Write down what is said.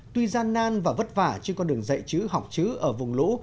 tuy gian nan và vất vả trên con đường dạy chữ học chữ ở vùng lũ